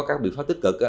các biện pháp tích cực